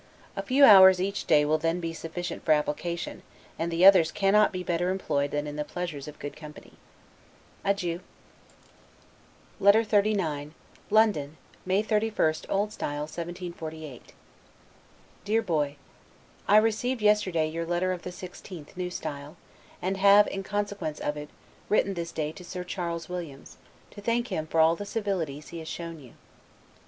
A few hours each day will then be sufficient for application, and the others cannot be better employed than in the pleasures of good company. Adieu. LETTER XXXIX LONDON, May 31, O. S. 1748. DEAR BOY: I received yesterday your letter of the 16th, N. S., and have, in consequence of it, written this day to Sir Charles Williams, to thank him for all the civilities he has shown you.